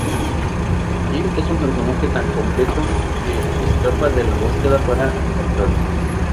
Jim es un personaje tan complejo que escapa de la búsqueda para encontrarlo.